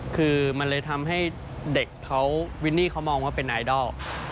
คือมันเลยทำให้เด็กเขาวินนี่เขามองว่าเป็นไอดอล